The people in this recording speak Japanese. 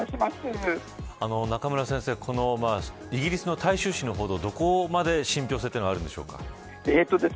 中村先生、このイギリスの大衆紙の報道どこまで信憑性があるんでしょうか。